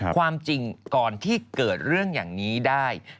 ความจริงก่อนที่เกิดเรื่องอย่างนี้ได้